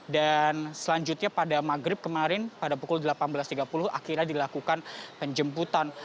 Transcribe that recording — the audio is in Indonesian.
dan selanjutnya pada maghrib kemarin pada pukul delapan belas tiga puluh akhirnya dilakukan penjemputan